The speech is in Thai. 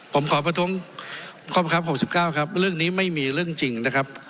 ผมขอประท้วงข้อบังคับ๖๙ครับเรื่องนี้ไม่มีเรื่องจริงนะครับ